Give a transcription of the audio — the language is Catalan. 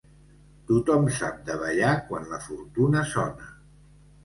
Tothom sap de ballar quan la fortuna sona.